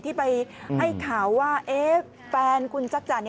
ที่ไปให้ข่าวว่าแฟนคุณชักจันทร์